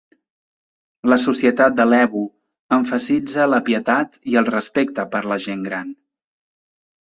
La societat de Lebu emfasitza la pietat i el respecte per la gent gran.